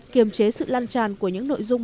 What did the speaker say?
kiềm chế sự lan tràn của những nội dung